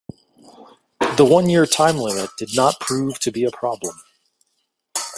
The one year time limit did not prove to be a problem.